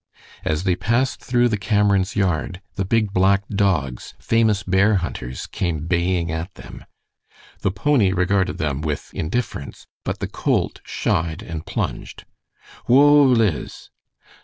As they passed through the Camerons' yard the big black dogs, famous bear hunters, came baying at them. The pony regarded them with indifference, but the colt shied and plunged. "Whoa, Liz!"